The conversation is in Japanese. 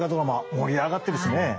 盛り上がってるしね！